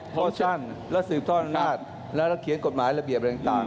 พ่อสั้นแล้วสืบทอดอำนาจแล้วเขียนกฎหมายระเบียบต่าง